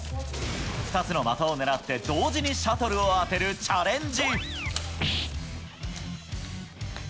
２つの的を狙って、同時にシャトルを当てるチャレンジ。